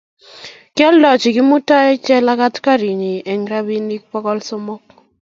Kialdochi Kimutai Jelagat karinyi eng robinik pokol somok